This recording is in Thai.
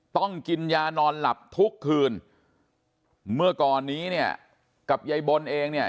ต้องกินยานอนหลับทุกคืนเมื่อก่อนนี้เนี่ยกับยายบนเองเนี่ย